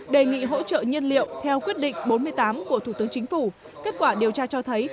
đề nghị hỗ trợ nhiên liệu theo quyết định bốn mươi tám của thủ tướng chính phủ kết quả điều tra cho thấy